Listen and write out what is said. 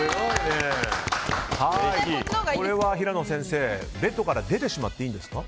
これはヒラノ先生、ベッドから出てしまっていいんですか？